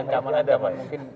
ancaman ada pak